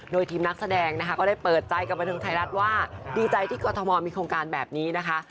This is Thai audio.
โดยทีมนักแสดงนะคะก็ได้เปิดใจกับบันเทิงไทยรัฐว่าดีใจที่กรทมมีโครงการแบบนี้นะคะ